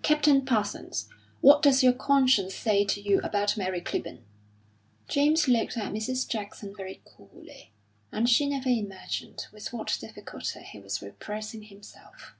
"Captain Parsons, what does your conscience say to you about Mary Clibborn?" James looked at Mrs. Jackson very coolly, and she never imagined with what difficulty he was repressing himself.